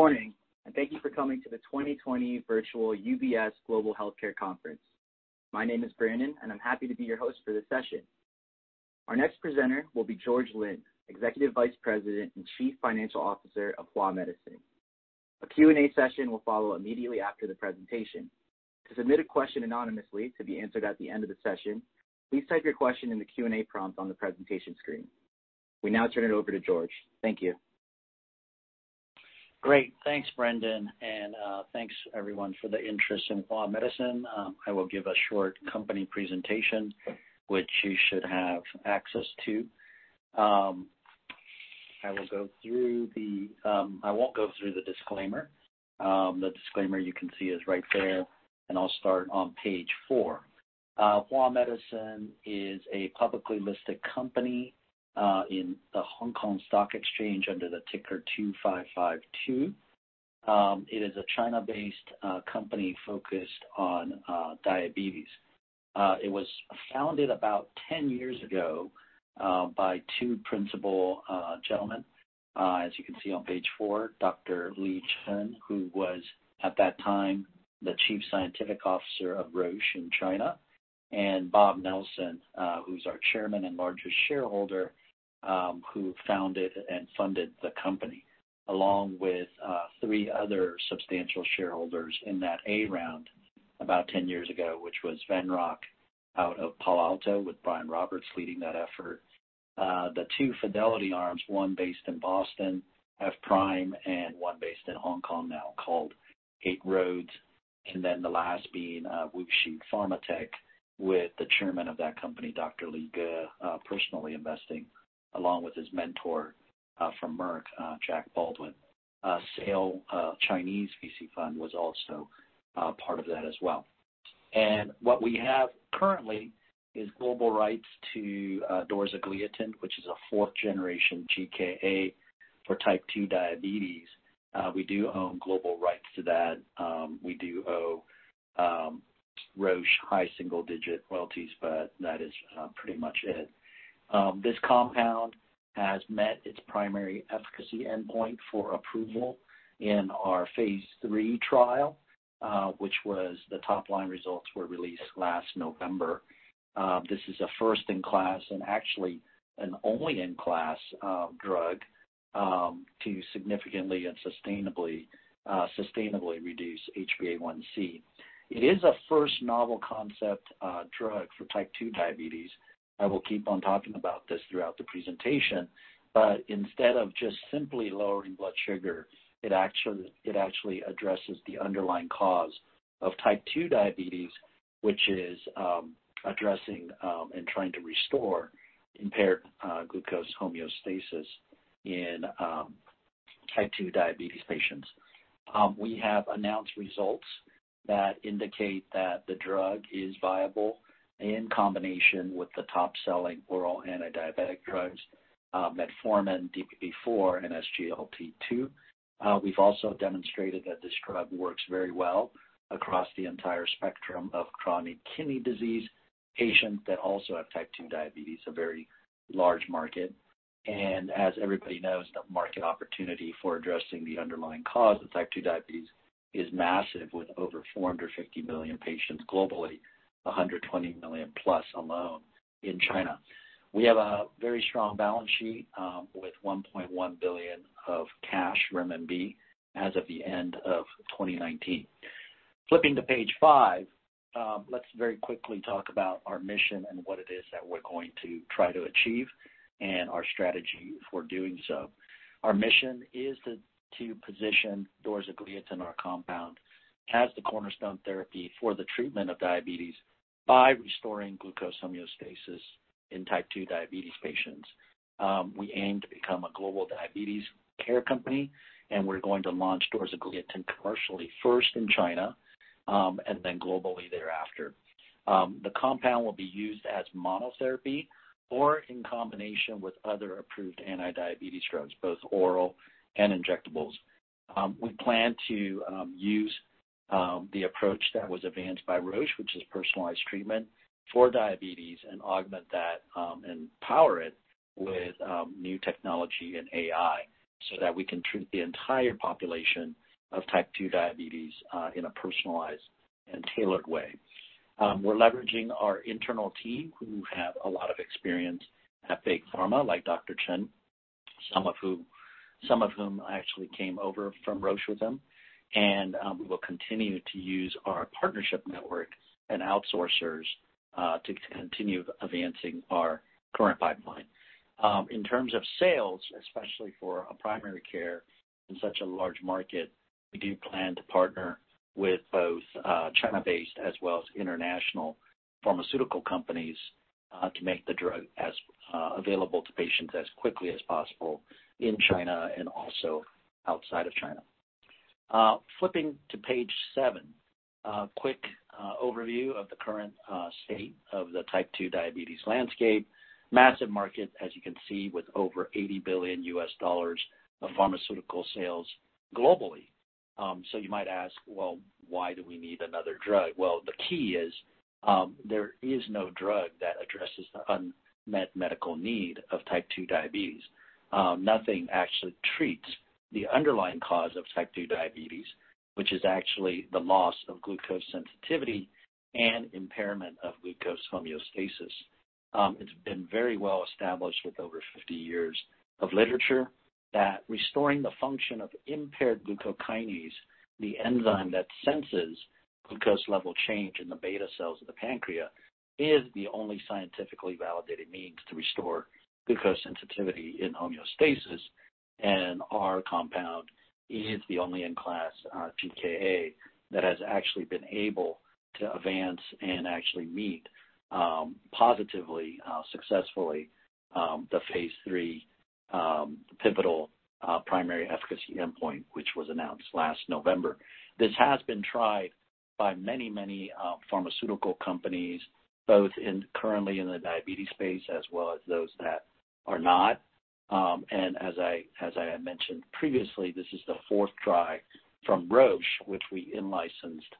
Morning, thank you for coming to the 2020 Virtual UBS Global Healthcare Conference. My name is Brandon, I'm happy to be your host for this session. Our next presenter will be George Lin, Executive Vice President and Chief Financial Officer of Hua Medicine. A Q&A session will follow immediately after the presentation. To submit a question anonymously to be answered at the end of the session, please type your question in the Q&A prompt on the presentation screen. We now turn it over to George. Thank you. Great. Thanks, Brandon. Thanks everyone for the interest in Hua Medicine. I will give a short company presentation, which you should have access to. I won't go through the disclaimer. The disclaimer you can see is right there, and I'll start on page four. Hua Medicine is a publicly listed company, in the Hong Kong Stock Exchange under the ticker 2552. It is a China-based company focused on diabetes. It was founded about 10 years ago by two principal gentlemen, as you can see on page four, Dr. Li Chen, who was, at that time, the chief scientific officer of Roche in China, and Bob Nelsen, who's our Chairman and largest shareholder, who founded and funded the company, along with three other substantial shareholders in that A round about 10 years ago, which was Venrock out of Palo Alto, with Brian Roberts leading that effort. The two Fidelity arms, one based in Boston, F-Prime Capital, and one based in Hong Kong now called Eight Roads, the last being WuXi PharmaTech, with the chairman of that company, Dr. Li Ge, personally investing along with his mentor, from Merck, Jack Baldwin. Sail Chinese VC Fund was also part of that as well. What we have currently is global rights to dorzagliatin, which is a 4th generation GKA for Type 2 diabetes. We do own global rights to that. We do owe Roche high single-digit royalties, that is pretty much it. This compound has met its primary efficacy endpoint for approval in our phase III trial, which was the top line results were released last November. This is a first-in-class and actually an only-in-class drug, to significantly and sustainably reduce HbA1c. It is a first novel concept drug for Type 2 diabetes. I will keep on talking about this throughout the presentation. Instead of just simply lowering blood sugar, it actually addresses the underlying cause of Type 2 diabetes, which is addressing, and trying to restore impaired glucose homeostasis in Type 2 diabetes patients. We have announced results that indicate that the drug is viable in combination with the top-selling oral anti-diabetic drugs, metformin DPP4 and SGLT2. We've also demonstrated that this drug works very well across the entire spectrum of chronic kidney disease patients that also have Type 2 diabetes, a very large market. As everybody knows, the market opportunity for addressing the underlying cause of Type 2 diabetes is massive, with over 450 million patients globally, 120 million-plus alone in China. We have a very strong balance sheet, with 1.1 billion of cash RMB as of the end of 2019. Flipping to page five, let's very quickly talk about our mission and what it is that we're going to try to achieve and our strategy for doing so. Our mission is to position dorzagliatin, our compound, as the cornerstone therapy for the treatment of diabetes by restoring glucose homeostasis in Type 2 diabetes patients. We aim to become a global diabetes care company. We're going to launch dorzagliatin commercially first in China, then globally thereafter. The compound will be used as monotherapy or in combination with other approved anti-diabetes drugs, both oral and injectables. We plan to use the approach that was advanced by Roche, which is personalized treatment for diabetes, augment that, and power it with new technology and AI so that we can treat the entire population of Type 2 diabetes, in a personalized and tailored way. We're leveraging our internal team who have a lot of experience at big pharma, like Dr. Chen, some of whom actually came over from Roche with him. We will continue to use our partnership network and outsourcers to continue advancing our current pipeline. In terms of sales, especially for a primary care in such a large market, we do plan to partner with both China-based as well as international pharmaceutical companies to make the drug as available to patients as quickly as possible in China and also outside of China. Flipping to page seven. A quick overview of the current state of the Type 2 diabetes landscape. Massive market, as you can see, with over $80 billion of pharmaceutical sales globally. You might ask, "Well, why do we need another drug?" Well, the key is, there is no drug that addresses the unmet medical need of type 2 diabetes. Nothing actually treats the underlying cause of type 2 diabetes, which is actually the loss of glucose sensitivity and impairment of glucose homeostasis. It's been very well established with over 50 years of literature that restoring the function of impaired glucokinase, the enzyme that senses glucose level change in the beta cells of the pancreas, is the only scientifically validated means to restore glucose sensitivity in homeostasis, and our compound is the only in-class GKA that has actually been able to advance and actually meet, positively, successfully, the phase III pivotal primary efficacy endpoint, which was announced last November. This has been tried by many pharmaceutical companies, both currently in the diabetes space as well as those that are not. As I had mentioned previously, this is the fourth try from Roche, which we in-licensed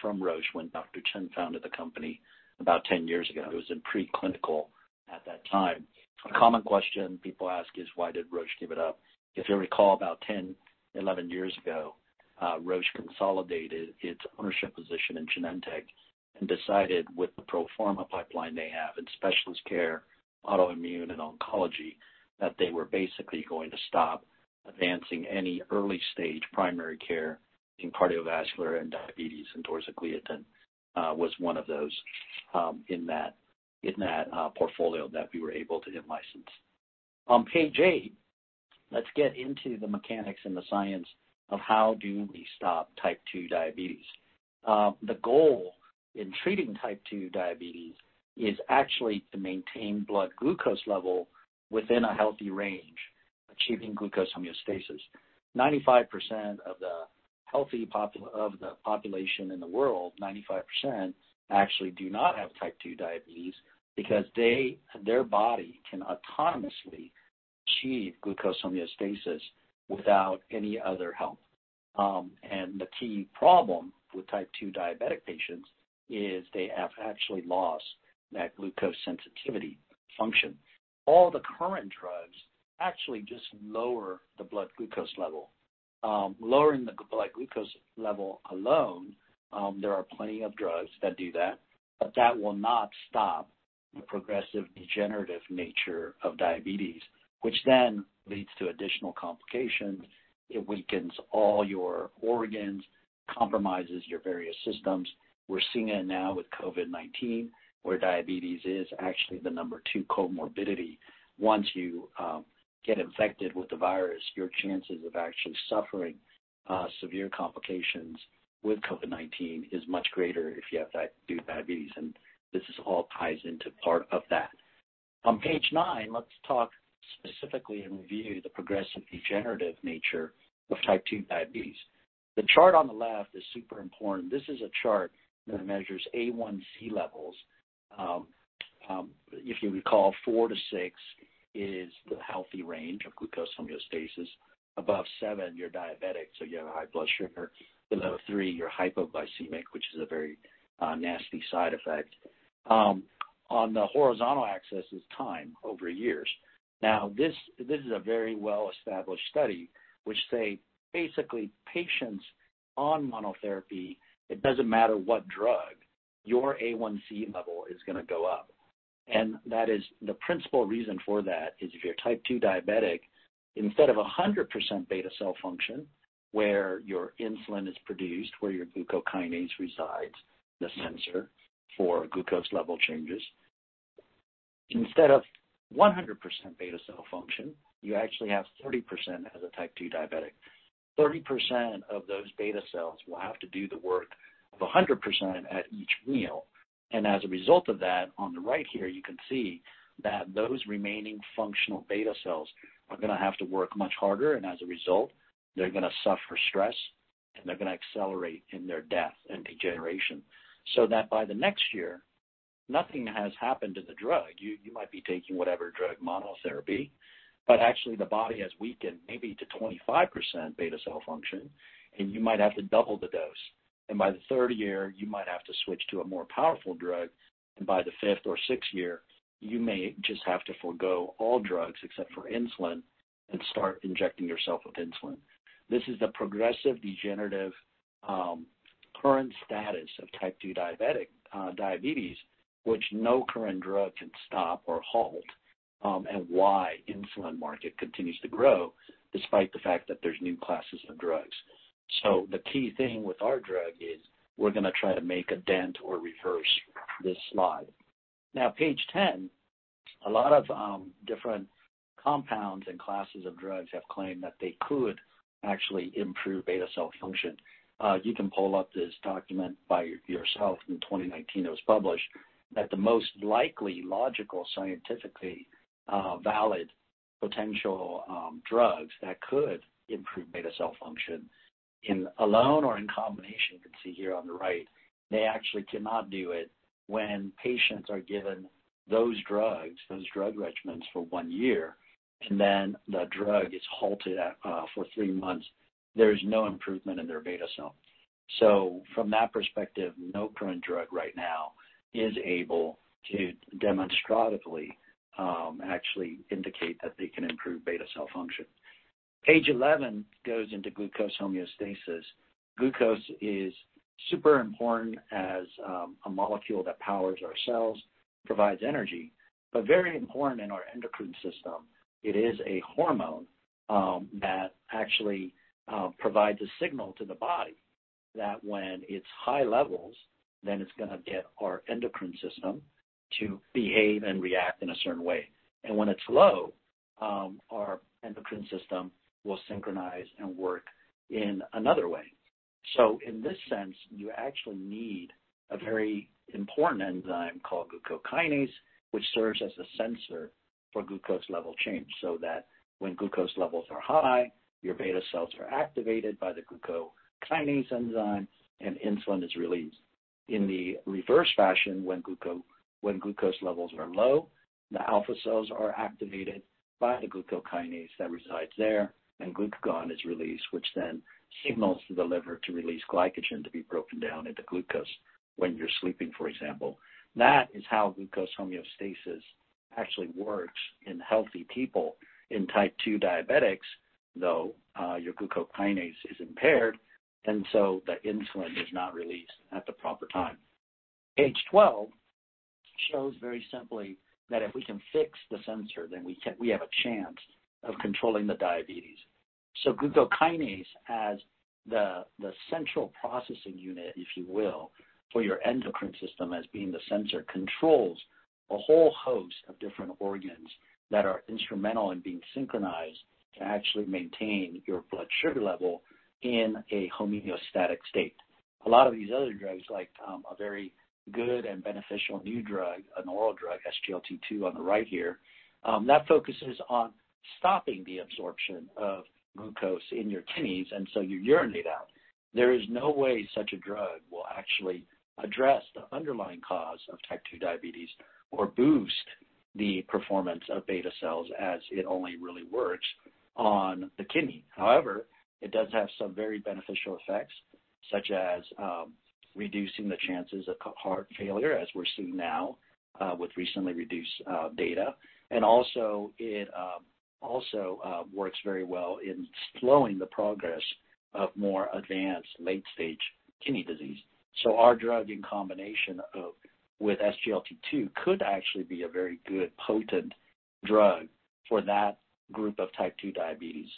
from Roche when Dr. Chen founded the company about 10 years ago. It was in pre-clinical at that time. A common question people ask is, why did Roche give it up? If you recall, about 10, 11 years ago, Roche consolidated its ownership position in Genentech and decided with the pro forma pipeline they have in specialist care, autoimmune, and oncology, that they were basically going to stop advancing any early-stage primary care in cardiovascular and diabetes, and dorzagliatin was one of those in that portfolio that we were able to get licensed. On page eight, let's get into the mechanics and the science of how do we stop type 2 diabetes. The goal in treating type 2 diabetes is actually to maintain blood glucose level within a healthy range, achieving glucose homeostasis. 95% of the population in the world, 95% actually do not have type 2 diabetes because their body can autonomously achieve glucose homeostasis without any other help. The key problem with type 2 diabetic patients is they have actually lost that glucose sensitivity function. All the current drugs actually just lower the blood glucose level. Lowering the blood glucose level alone, there are plenty of drugs that do that, but that will not stop the progressive, degenerative nature of diabetes, which then leads to additional complications. It weakens all your organs, compromises your various systems. We're seeing it now with COVID-19, where diabetes is actually the number 2 comorbidity. Once you get infected with the virus, your chances of actually suffering severe complications with COVID-19 is much greater if you have type 2 diabetes, and this all ties into part of that. On page nine, let's talk specifically and review the progressive, degenerative nature of type 2 diabetes. The chart on the left is super important. This is a chart that measures A1C levels. If you recall, 4-6 is the healthy range of glucose homeostasis. Above 7, you're diabetic, so you have a high blood sugar. Below 3, you're hypoglycemic, which is a very nasty side effect. On the horizontal axis is time over years. This is a very well-established study, which say, basically, patients on monotherapy, it doesn't matter what drug, your A1C level is going to go up. The principal reason for that is if you're a type 2 diabetic, instead of 100% beta cell function, where your insulin is produced, where your glucokinase resides, the sensor for glucose level changes. Instead of 100% beta cell function, you actually have 30% as a type 2 diabetic. 30% of those beta cells will have to do the work of 100% at each meal. As a result of that, on the right here, you can see that those remaining functional beta cells are going to have to work much harder, and as a result, they're going to suffer stress, and they're going to accelerate in their death and degeneration. That by the next year, nothing has happened to the drug. You might be taking whatever drug monotherapy, but actually the body has weakened maybe to 25% beta cell function, and you might have to double the dose. By the third year, you might have to switch to a more powerful drug. By the fifth or sixth year, you may just have to forego all drugs except for insulin and start injecting yourself with insulin. This is the progressive, degenerative, current status of type 2 diabetes, which no current drug can stop or halt, and why insulin market continues to grow despite the fact that there's new classes of drugs. The key thing with our drug is we're going to try to make a dent or reverse this slide. Now, page 10, a lot of different compounds and classes of drugs have claimed that they could actually improve beta cell function. You can pull up this document by yourself. In 2019, it was published that the most likely, logical, scientifically valid potential drugs that could improve beta cell function in alone or in combination could see here on the right. They actually cannot do it when patients are given those drugs, those drug regimens, for one year, and then the drug is halted for three months. There is no improvement in their beta cell. From that perspective, no current drug right now is able to demonstratively actually indicate that they can improve beta cell function. Page 11 goes into glucose homeostasis. Glucose is super important as a molecule that powers our cells, provides energy, but very important in our endocrine system. It is a hormone that actually provides a signal to the body that when it's high levels, then it's going to get our endocrine system to behave and react in a certain way. When it's low, our endocrine system will synchronize and work in another way. In this sense, you actually need a very important enzyme called glucokinase, which serves as a sensor for glucose level change, so that when glucose levels are high, your beta cells are activated by the glucokinase enzyme, and insulin is released. In the reverse fashion, when glucose levels are low, the alpha cells are activated by the glucokinase that resides there, and glucagon is released, which then signals the liver to release glycogen to be broken down into glucose when you're sleeping, for example. That is how glucose homeostasis actually works in healthy people. In type 2 diabetics, though, your glucokinase is impaired, and so the insulin is not released at the proper time. Page 12 shows very simply that if we can fix the sensor, then we have a chance of controlling the diabetes. Glucokinase as the central processing unit, if you will, for your endocrine system as being the sensor, controls a whole host of different organs that are instrumental in being synchronized to actually maintain your blood sugar level in a homeostatic state. A lot of these other drugs, like a very good and beneficial new drug, an oral drug, SGLT2 on the right here, that focuses on stopping the absorption of glucose in your kidneys, and so you urinate out. There is no way such a drug will actually address the underlying cause of type 2 diabetes or boost the performance of beta cells, as it only really works on the kidney. However, it does have some very beneficial effects, such as reducing the chances of heart failure, as we're seeing now with recently reduced data. Also, it works very well in slowing the progress of more advanced late-stage kidney disease. Our drug, in combination with SGLT2, could actually be a very good, potent drug for that group of type 2 diabetes.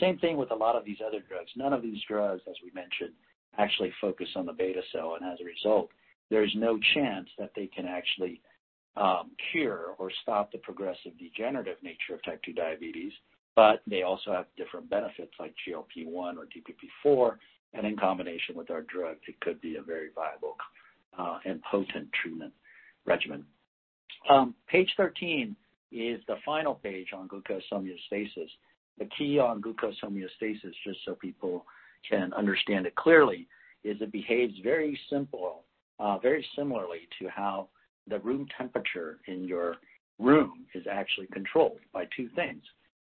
Same thing with a lot of these other drugs. None of these drugs, as we mentioned, actually focus on the beta cell, and as a result, there is no chance that they can actually cure or stop the progressive degenerative nature of type 2 diabetes. They also have different benefits, like GLP-1 or DPP4, and in combination with our drug, it could be a very viable and potent treatment regimen. Page 13 is the final page on glucose homeostasis. The key on glucose homeostasis, just so people can understand it clearly, is it behaves very similarly to how the room temperature in your room is actually controlled by two things.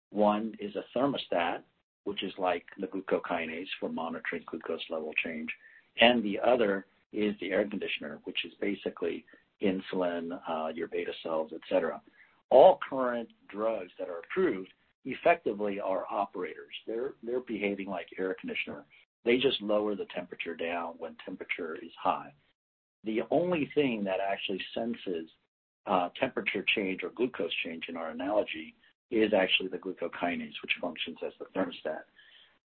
One is a thermostat, which is like the glucokinase for monitoring glucose level change, and the other is the air conditioner, which is basically insulin, your beta cells, et cetera. All current drugs that are approved effectively are operators. They're behaving like air conditioner. They just lower the temperature down when temperature is high. The only thing that actually senses temperature change or glucose change in our analogy is actually the glucokinase, which functions as the thermostat.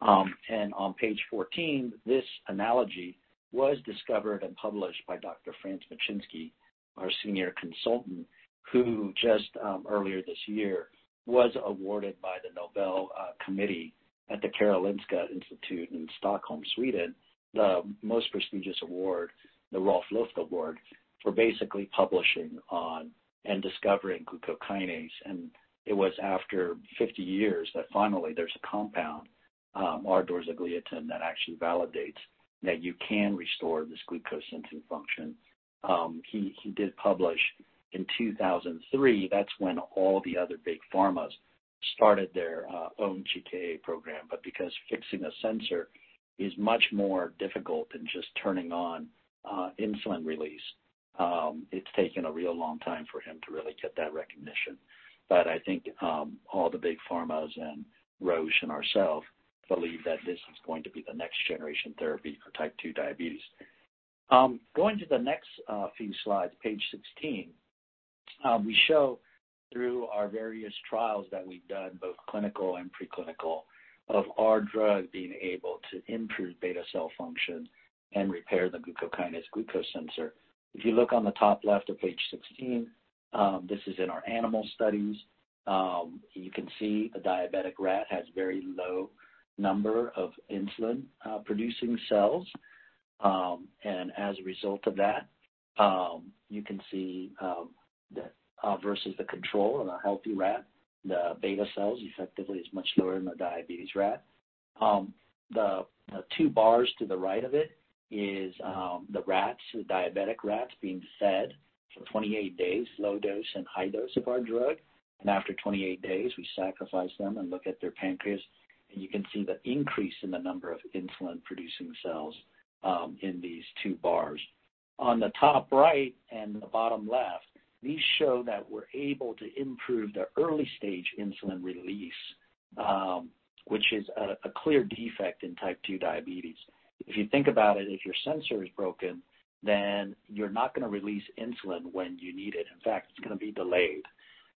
On page 14, this analogy was discovered and published by Dr. Franz Matschinsky, our Senior Consultant, who just earlier this year was awarded by the Nobel Committee at the Karolinska Institute in Stockholm, Sweden, the most prestigious award, the Rolf Luft Award, for basically publishing on and discovering glucokinase. It was after 50 years that finally there's a compound, our dorzagliatin, that actually validates that you can restore this glucose sensing function. He did publish in 2003. That's when all the other big pharmas started their own GKA program. Because fixing a sensor is much more difficult than just turning on insulin release, it's taken a real long time for him to really get that recognition. I think all the big pharmas and Roche and ourselves believe that this is going to be the next generation therapy for type 2 diabetes. Going to the next few slides, page 16, we show through our various trials that we've done, both clinical and pre-clinical, of our drug being able to improve beta cell function and repair the glucokinase glucose sensor. If you look on the top left of page 16, this is in our animal studies. You can see a diabetic rat has very low number of insulin-producing cells. As a result of that, you can see versus the control in a healthy rat, the beta cells effectively is much lower than the diabetic rat. The two bars to the right of it is the diabetic rats being fed for 28 days, low dose and high dose of our drug. After 28 days, we sacrifice them and look at their pancreas, and you can see the increase in the number of insulin-producing cells in these two bars. On the top right and the bottom left, these show that we're able to improve the early-stage insulin release, which is a clear defect in type 2 diabetes. If you think about it, if your sensor is broken, then you're not going to release insulin when you need it. In fact, it's going to be delayed.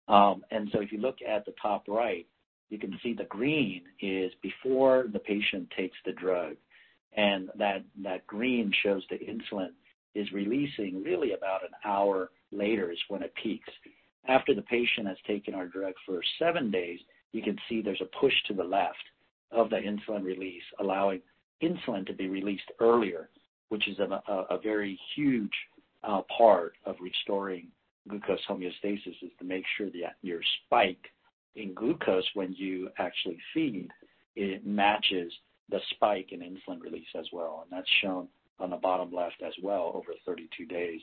If you look at the top right, you can see the green is before the patient takes the drug, and that green shows the insulin is releasing really about one hour later is when it peaks. After the patient has taken our drug for seven days, you can see there's a push to the left of the insulin release, allowing insulin to be released earlier, which is a very huge part of restoring glucose homeostasis, is to make sure that your spike in glucose when you actually feed, it matches the spike in insulin release as well. That's shown on the bottom left as well over 32 days,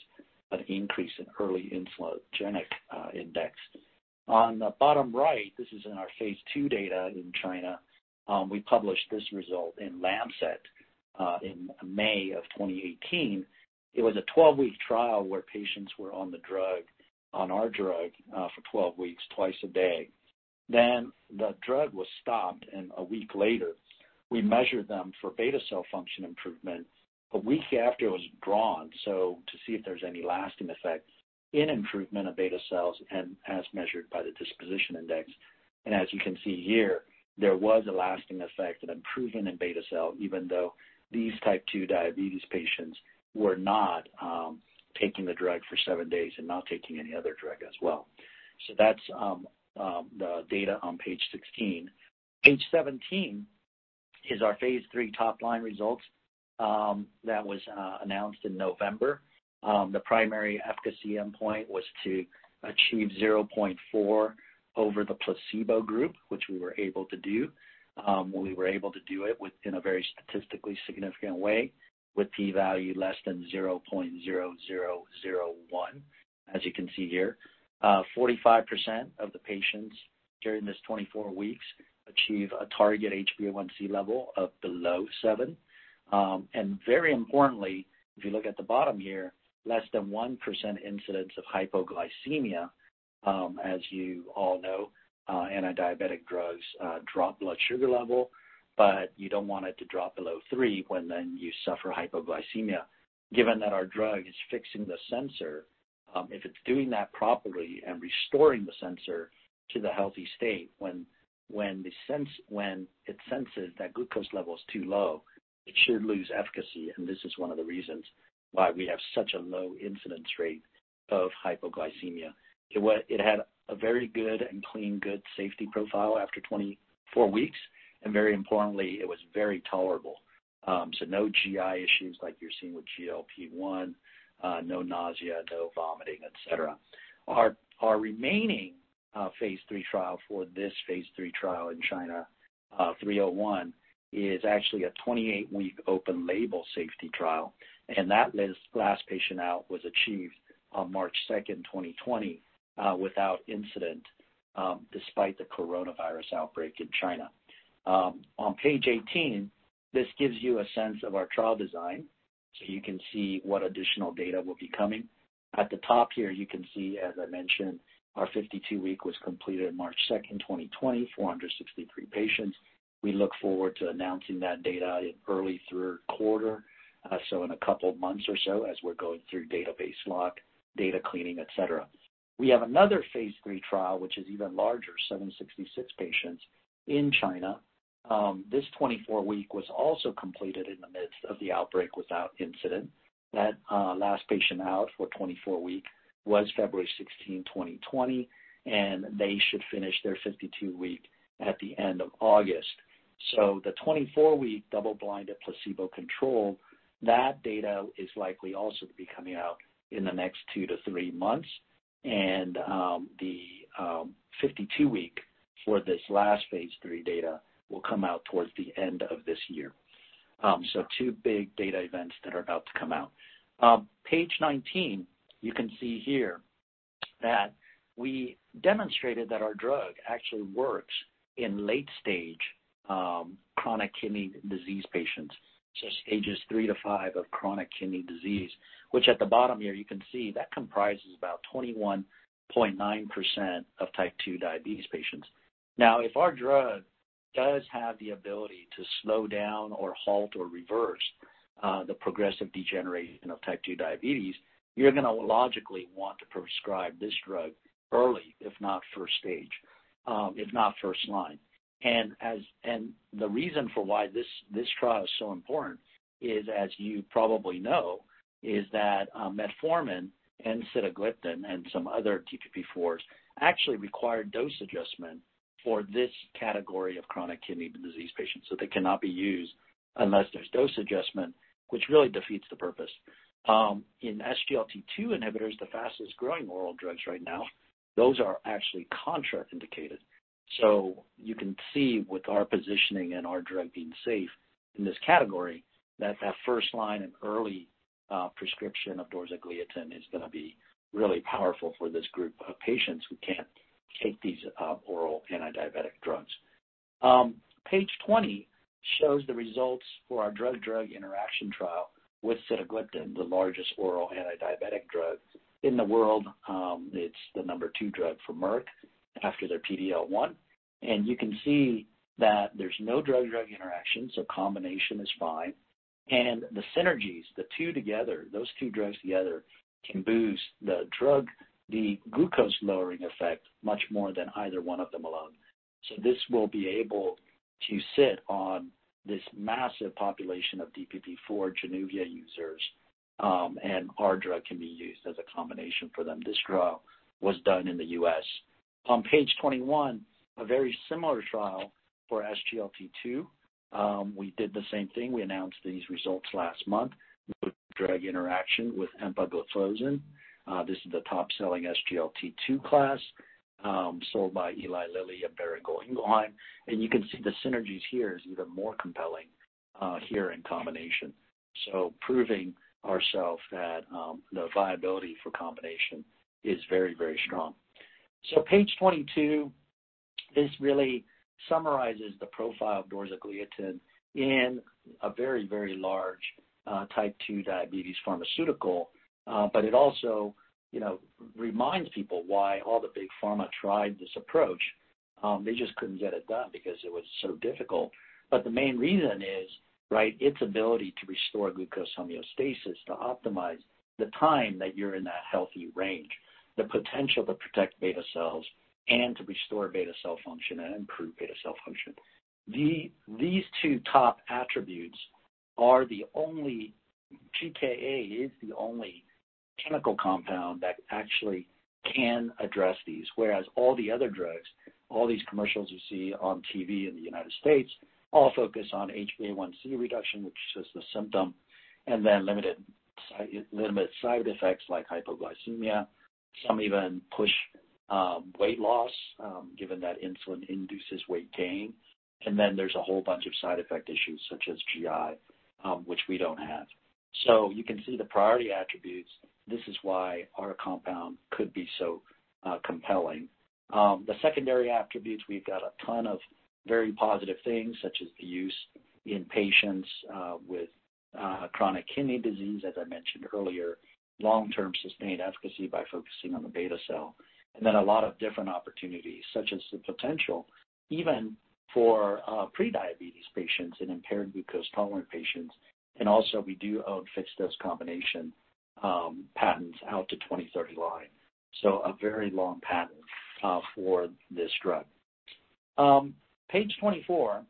an increase in early insulinogenic index. On the bottom right, this is in our phase II data in China. We published this result in The Lancet in May of 2018. It was a 12-week trial where patients were on our drug for 12 weeks, twice a day. The drug was stopped, and a week later, we measured them for beta cell function improvement a week after it was drawn to see if there's any lasting effect in improvement of beta cells and as measured by the disposition index. As you can see here, there was a lasting effect, an improvement in beta cell, even though these type 2 diabetes patients were not taking the drug for seven days and not taking any other drug as well. That's the data on page 16. Page 17 is our phase III top-line results that was announced in November. The primary efficacy endpoint was to achieve 0.4 over the placebo group, which we were able to do. We were able to do it within a very statistically significant way with P value less than 0.0001, as you can see here. 45% of the patients during this 24 weeks achieve a target HbA1c level of below 7. Very importantly, if you look at the bottom here, less than 1% incidence of hypoglycemia. As you all know, antidiabetic drugs drop blood sugar level, but you don't want it to drop below 3 when then you suffer hypoglycemia. Given that our drug is fixing the sensor, if it's doing that properly and restoring the sensor to the healthy state, when it senses that glucose level is too low, it should lose efficacy, and this is one of the reasons why we have such a low incidence rate of hypoglycemia. It had a very good and clean, good safety profile after 24 weeks. Very importantly, it was very tolerable. No GI issues like you're seeing with GLP-1, no nausea, no vomiting, et cetera. Our remaining phase III trial for this phase III trial in China 301 is actually a 28-week open label safety trial. That last patient out was achieved on March 2, 2020, without incident, despite the coronavirus outbreak in China. On page 18, this gives you a sense of our trial design. You can see what additional data will be coming. At the top here, you can see, as I mentioned, our 52-week was completed March 2, 2020, 463 patients. We look forward to announcing that data in early third quarter, in a couple of months or so as we're going through database lock, data cleaning, et cetera. We have another phase III trial, which is even larger, 766 patients in China. This 24-week was also completed in the midst of the outbreak without incident. That last patient out for 24-week was February 16, 2020, and they should finish their 52-week at the end of August. The 24-week double-blinded placebo control, that data is likely also to be coming out in the next two to three months. The 52-week for this last phase III data will come out towards the end of this year. Two big data events that are about to come out. Page 19, you can see here that we demonstrated that our drug actually works in late stage chronic kidney disease patients, so stages 3 to 5 of chronic kidney disease, which at the bottom here you can see that comprises about 21.9% of type 2 diabetes patients. Now, if our drug does have the ability to slow down or halt or reverse the progressive degeneration of type 2 diabetes, you're going to logically want to prescribe this drug early, if not first stage, if not first line. The reason for why this trial is so important is, as you probably know is that metformin and sitagliptin and some other DPP4s actually require dose adjustment for this category of chronic kidney disease patients. They cannot be used unless there's dose adjustment, which really defeats the purpose. In SGLT2 inhibitors, the fastest growing oral drugs right now, those are actually contraindicated. You can see with our positioning and our drug being safe in this category, that that first line and early prescription of dorzagliatin is going to be really powerful for this group of patients who can't take these oral antidiabetic drugs. Page 20 shows the results for our drug-drug interaction trial with sitagliptin, the largest oral antidiabetic drug in the world. It's the number 2 drug for Merck after their PD-L1. You can see that there's no drug-drug interactions, so combination is fine. The synergies, the 2 together, those 2 drugs together, can boost the glucose lowering effect much more than either one of them alone. This will be able to sit on this massive population of DPP4 JANUVIA users, and our drug can be used as a combination for them. This trial was done in the U.S. On page 21, a very similar trial for SGLT2. We did the same thing. We announced these results last month. No drug interaction with empagliflozin. This is the top selling SGLT2 class, sold by Eli Lilly and Boehringer Ingelheim. You can see the synergies here is even more compelling, here in combination. Proving ourselves that the viability for combination is very strong. Page 22, this really summarizes the profile of dorzagliatin in a very large type 2 diabetes pharmaceutical. It also reminds people why all the big pharma tried this approach. They just couldn't get it done because it was so difficult. The main reason is, right, its ability to restore glucose homeostasis to optimize the time that you're in that healthy range, the potential to protect beta cells and to restore beta cell function and improve beta cell function. These two top attributes are the only, GKA is the only chemical compound that actually can address these, whereas all the other drugs, all these commercials you see on TV in the U.S., all focus on HbA1c reduction, which is just a symptom, limit side effects like hypoglycemia. Some even push weight loss, given that insulin induces weight gain. Then there's a whole bunch of side effect issues such as GI, which we don't have. You can see the priority attributes. This is why our compound could be so compelling. The secondary attributes, we've got a ton of very positive things, such as the use in patients with chronic kidney disease, as I mentioned earlier, long-term sustained efficacy by focusing on the beta cell. Then a lot of different opportunities, such as the potential even for pre-diabetes patients and impaired glucose tolerant patients. Also we do own fixed dose combination patents out to 2039. A very long patent for this drug. Page 24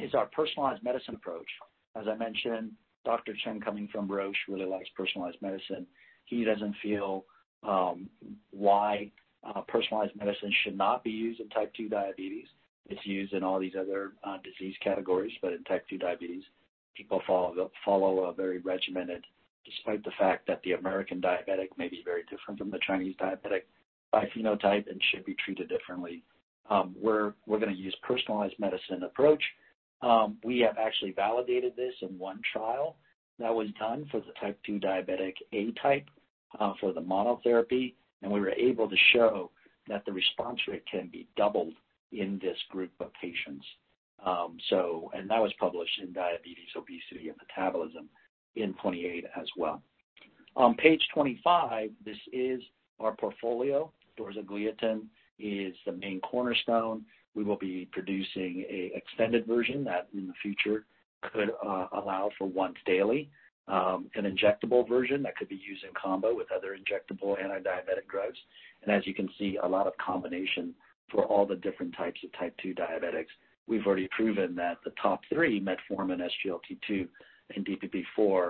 is our personalized medicine approach. As I mentioned, Dr. Chen coming from Roche really likes personalized medicine. He doesn't feel why personalized medicine should not be used in type 2 diabetes. It's used in all these other disease categories. In type 2 diabetes, people follow a very regimented, despite the fact that the American diabetic may be very different from the Chinese diabetic by phenotype and should be treated differently. We're going to use personalized medicine approach. We have actually validated this in one trial that was done for the type 2 diabetic A type, for the monotherapy, and we were able to show that the response rate can be doubled in this group of patients. That was published in Diabetes, Obesity and Metabolism in 2018 as well. On page 25, this is our portfolio. Dorzagliatin is the main cornerstone. We will be producing an extended version that in the future could allow for once-daily, an injectable version that could be used in combo with other injectable anti-diabetic drugs. As you can see, a lot of combination for all the different types of type 2 diabetics. We've already proven that the top three, metformin, SGLT2, and DPP4,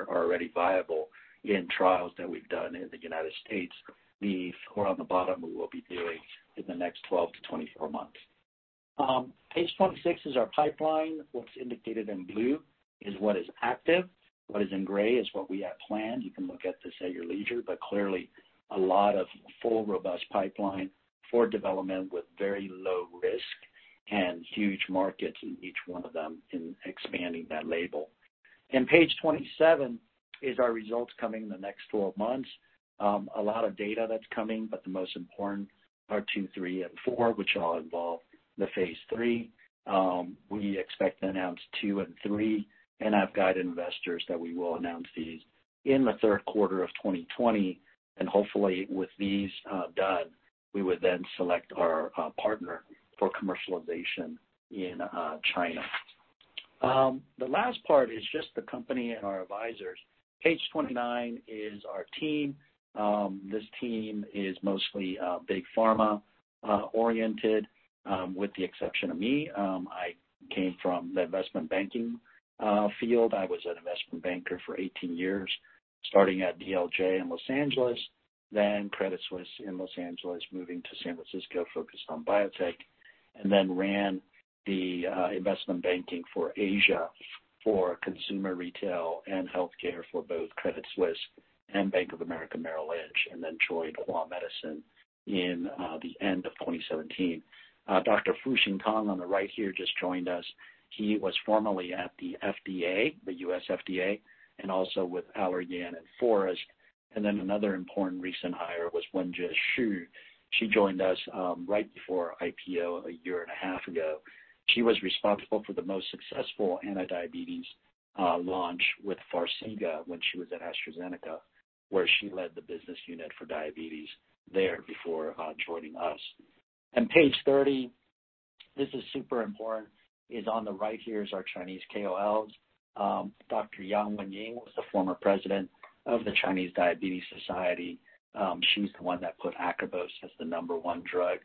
are already viable in trials that we've done in the U.S. These four on the bottom, we will be doing in the next 12 to 24 months. Page 26 is our pipeline. What's indicated in blue is what is active. What is in gray is what we have planned. You can look at this at your leisure, but clearly a lot of full, robust pipeline for development with very low risk and huge markets in each one of them in expanding that label. Page 27 is our results coming in the next 12 months. A lot of data that's coming, but the most important are two, three, and four, which all involve the phase III. We expect to announce two and three, and I've guided investors that we will announce these in the third quarter of 2020. Hopefully with these done, we would then select our partner for commercialization in China. The last part is just the company and our advisors. Page 29 is our team. This team is mostly Big Pharma oriented, with the exception of me. I came from the investment banking field. I was an investment banker for 18 years. Starting at DLJ in Los Angeles, then Credit Suisse in Los Angeles, moving to San Francisco, focused on biotech, then ran the investment banking for Asia for consumer retail and healthcare for both Credit Suisse and Bank of America Merrill Lynch, then joined Hua Medicine in the end of 2017. Dr. Fuxing Tang, on the right here, just joined us. He was formerly at the FDA, the U.S. FDA, also with Allergan and Forest. Then another important recent hire was Wenjie Xu. She joined us right before IPO a year and a half ago. She was responsible for the most successful anti-diabetes launch with FARXIGA when she was at AstraZeneca, where she led the business unit for diabetes there before joining us. Page 30, this is super important, is on the right here is our Chinese KOLs. Dr. Yang Wenying was the former President of the Chinese Diabetes Society. She's the one that put acarbose as the number one drug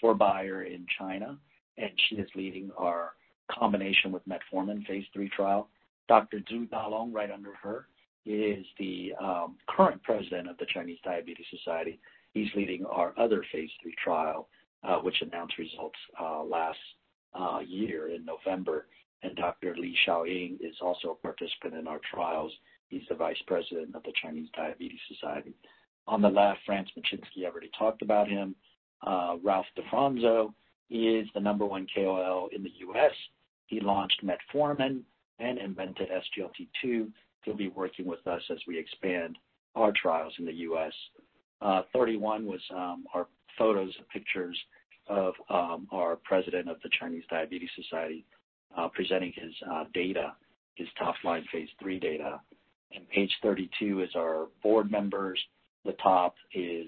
for Bayer in China, and she is leading our combination with metformin phase III trial. Dr. Zhu Dalong, right under her, is the current President of the Chinese Diabetes Society. He's leading our other phase III trial, which announced results last year in November. Dr. Li Xiaoying is also a participant in our trials. He's the Vice President of the Chinese Diabetes Society. On the left, Franz Matschinsky, I already talked about him. Ralph DeFronzo is the number one KOL in the U.S. He launched metformin and invented SGLT2. He'll be working with us as we expand our trials in the U.S. 31 was our photos and pictures of our President of the Chinese Diabetes Society presenting his data, his top-line phase III data. Page 32 is our board members. The top is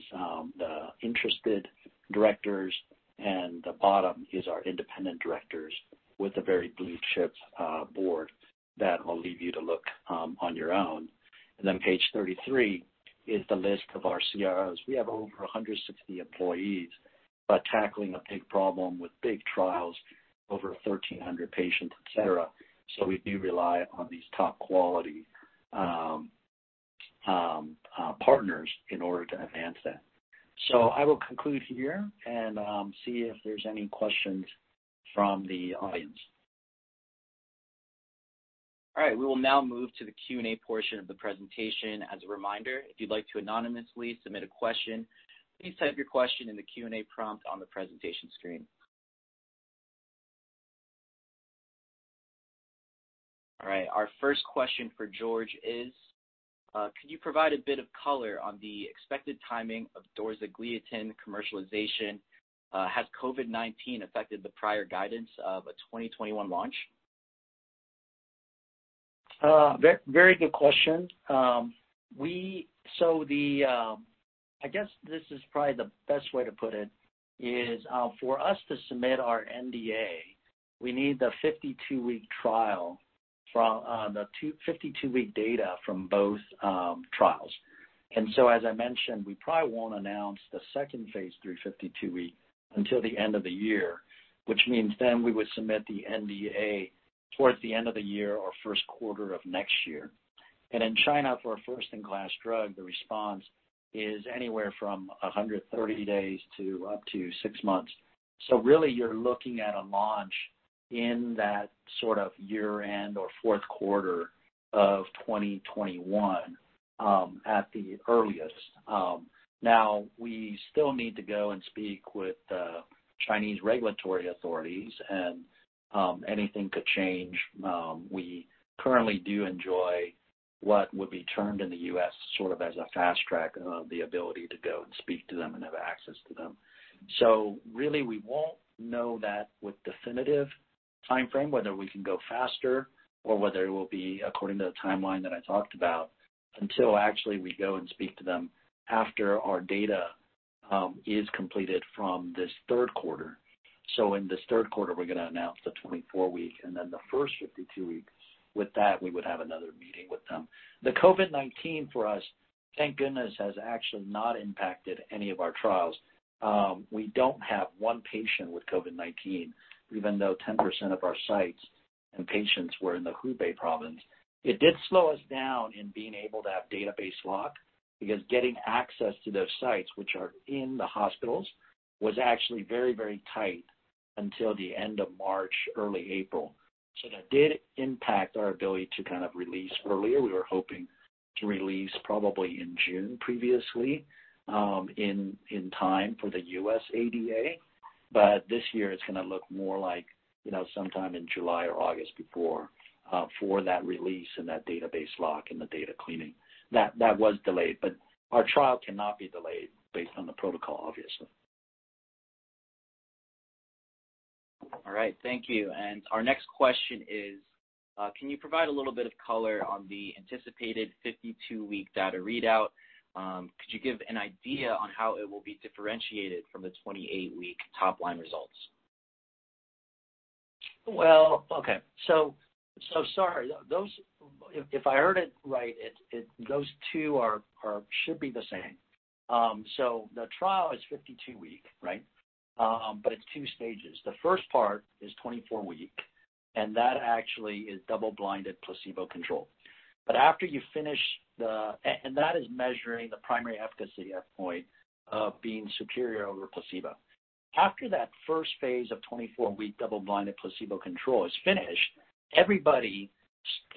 the interested directors, and the bottom is our independent directors with a very blue-chip board that I'll leave you to look on your own. Page 33 is the list of our CROs. We have over 160 employees, but tackling a big problem with big trials, over 1,300 patients, et cetera, so we do rely on these top quality partners in order to advance that. I will conclude here and see if there's any questions from the audience. All right. We will now move to the Q&A portion of the presentation. As a reminder, if you'd like to anonymously submit a question, please type your question in the Q&A prompt on the presentation screen. All right. Our first question for George is, could you provide a bit of color on the expected timing of dorzagliatin commercialization? Has COVID-19 affected the prior guidance of a 2021 launch? Very good question. I guess this is probably the best way to put it is, for us to submit our NDA, we need the 52-week data from both trials. As I mentioned, we probably won't announce the second phase III 52 week until the end of the year, which means we would submit the NDA towards the end of the year or first quarter of next year. In China, for a first-in-class drug, the response is anywhere from 130 days to up to six months. Really, you're looking at a launch in that sort of year-end or fourth quarter of 2021 at the earliest. Now, we still need to go and speak with Chinese regulatory authorities, and anything could change. We currently do enjoy what would be termed in the U.S. as a fast track of the ability to go and speak to them and have access to them. Really, we won't know that with definitive timeframe, whether we can go faster or whether it will be according to the timeline that I talked about, until actually we go and speak to them after our data is completed from this third quarter. In this third quarter, we're going to announce the 24-week, and then the first 52-weeks. With that, we would have another meeting with them. The COVID-19 for us, thank goodness, has actually not impacted any of our trials. We don't have one patient with COVID-19, even though 10% of our sites and patients were in the Hubei province. It did slow us down in being able to have database lock, because getting access to those sites, which are in the hospitals, was actually very, very tight until the end of March, early April. That did impact our ability to release earlier. We were hoping to release probably in June previously, in time for the U.S. ADA. This year it's going to look more like sometime in July or August before for that release and that database lock and the data cleaning. That was delayed. Our trial cannot be delayed based on the protocol, obviously. All right. Thank you. Our next question is, can you provide a little bit of color on the anticipated 52-week data readout? Could you give an idea on how it will be differentiated from the 28-week top-line results? Okay. Sorry. If I heard it right, those two should be the same. The trial is 52-week, but it's 2 stages. The first part is 24-week. That actually is double-blinded placebo control. That is measuring the primary efficacy endpoint of being superior over placebo. After that first phase of 24-week double-blinded placebo control is finished, everybody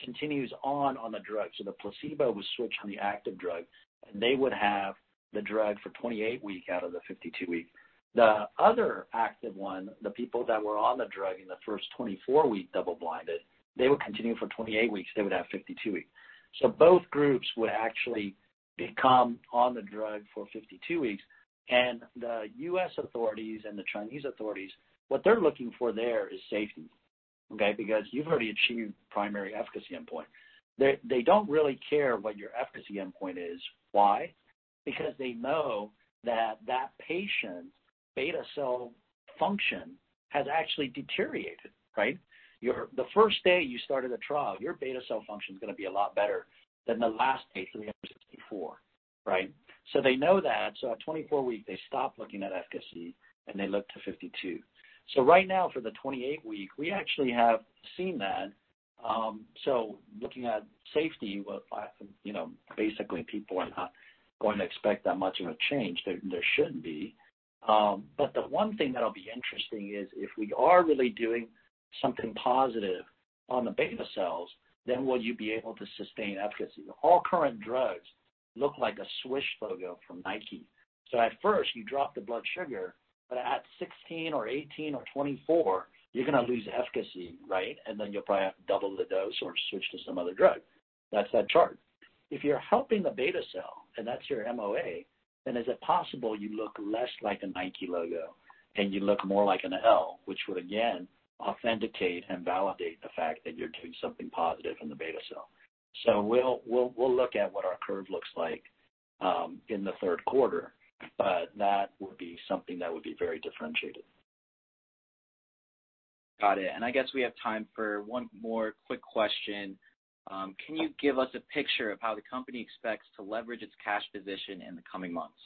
continues on the drug. The placebo was switched on the active drug, and they would have the drug for 28-week out of the 52-week. The other active one, the people that were on the drug in the first 24-week double-blinded, they would continue for 28 weeks. They would have 52-week. Both groups would actually become on the drug for 52 weeks. The U.S. authorities and the Chinese authorities, what they're looking for there is safety. Okay. Because you've already achieved primary efficacy endpoint. They don't really care what your efficacy endpoint is. Why? Because they know that patient's beta cell function has actually deteriorated, right? The first day you started a trial, your beta cell function is going to be a lot better than the last day, 364, right? They know that. At 24 week, they stop looking at efficacy and they look to 52. Right now for the 28 week, we actually have seen that. Looking at safety, basically people are not going to expect that much of a change. There shouldn't be. The one thing that'll be interesting is if we are really doing something positive on the beta cells, then will you be able to sustain efficacy? All current drugs look like a swoosh logo from Nike. At first you drop the blood sugar, at 16 or 18 or 24, you're going to lose efficacy, right? You'll probably have to double the dose or switch to some other drug. That's that chart. If you're helping the beta cell and that's your MOA, is it possible you look less like a Nike logo and you look more like an L, which would, again, authenticate and validate the fact that you're doing something positive in the beta cell. We'll look at what our curve looks like, in the third quarter, that would be something that would be very differentiated. Got it. I guess we have time for one more quick question. Can you give us a picture of how the company expects to leverage its cash position in the coming months?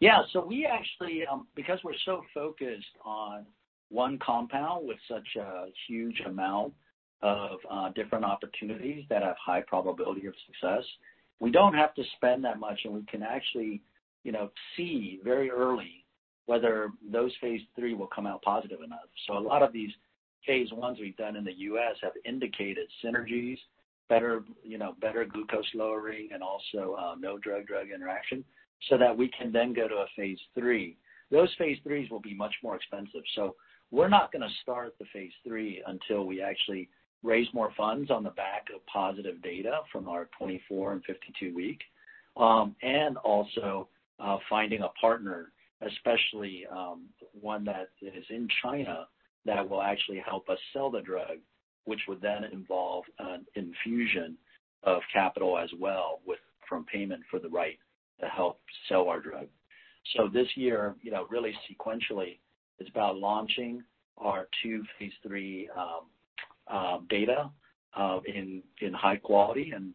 We actually, because we're so focused on one compound with such a huge amount of different opportunities that have high probability of success, we don't have to spend that much, and we can actually see very early whether those phase III will come out positive or not. Those phase IIIs will be much more expensive. We're not going to start the phase III until we actually raise more funds on the back of positive data from our 24 and 52 week. Also, finding a partner, especially, one that is in China that will actually help us sell the drug, which would then involve an infusion of capital as well from payment for the right to help sell our drug. This year, really sequentially, is about launching our 2 phase III data in high quality and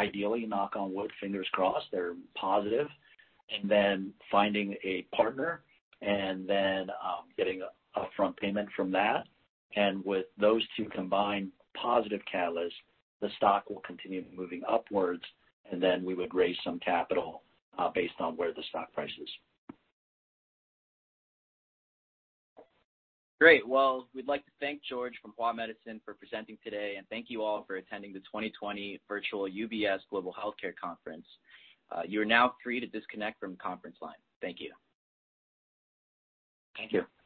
ideally, knock on wood, fingers crossed, they're positive. Then finding a partner and then getting upfront payment from that. With those two combined positive catalysts, the stock will continue moving upwards, and then we would raise some capital, based on where the stock price is. Great. We'd like to thank George from Hua Medicine for presenting today, and thank you all for attending the 2020 Virtual UBS Global Healthcare Conference. You are now free to disconnect from the conference line. Thank you. Thank you.